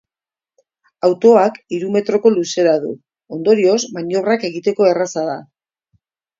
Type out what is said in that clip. Autoak hiru metroko luzera du, ondorioz, maniobrak egiteko erraza da.